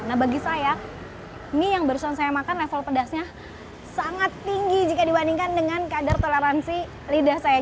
nah bagi saya mie yang barusan saya makan level pedasnya sangat tinggi jika dibandingkan dengan kadar toleransi lidah saya